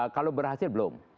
kalau berhasil belum